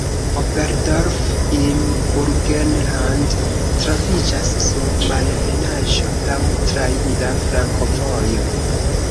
Oberdorf im Burgenland troviĝas sur malebenaĵo, laŭ traira flankovojo.